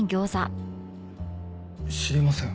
知りません。